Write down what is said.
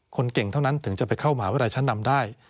คนเก่งเท่านั้นถึงจะไปเข้ามหาวิทยาลัยชั้นนำได้